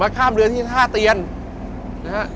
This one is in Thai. มาข้ามเรือที่ท่าเตียนนะครับ